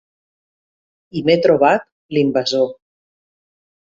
I m’he trobat l’invasor.